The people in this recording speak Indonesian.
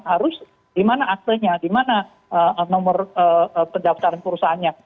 harus di mana aktenya di mana nomor pendaftaran perusahaannya